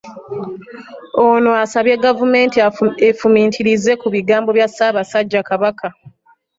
Ono asabye gavumenti efumiitirize ku bigambo bya Ssaabasajja Kabaka